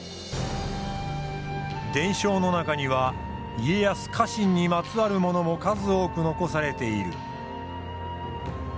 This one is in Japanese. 伝承の中には家康家臣にまつわるものも数多く残されている。